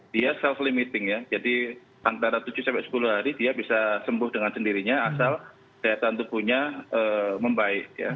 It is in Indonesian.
dia self limiting ya jadi antara tujuh sampai sepuluh hari dia bisa sembuh dengan sendirinya asal daya tahan tubuhnya membaik